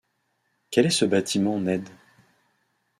Quel est ce bâtiment, Ned ?